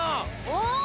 お！